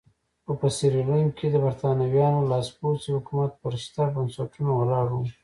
خو په سیریلیون کې د برېټانویانو لاسپوڅی حکومت پر شته بنسټونو ولاړ وو.